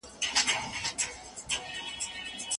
څوک چي د الله تعالی له لارښوونو مخ واړوي هغه کس څه په کيږي؟